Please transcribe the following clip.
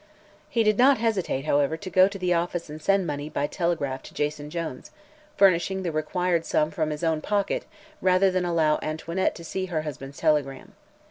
He did not hesitate, however, to go to the office and send money by telegraph to Jason Jones, furnishing the required sum from his own pocket rather than allow Antoinette to see her husband's telegram.